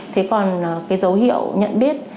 thế còn dấu hiệu nhận biết